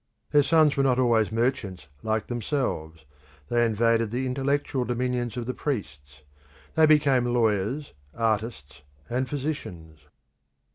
Their sons were not always merchants like themselves: they invaded the intellectual dominions of the priests: they became lawyers, artists, and physicians.